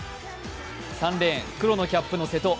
３レーン、黒のキャップの瀬戸。